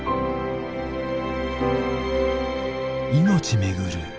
命巡る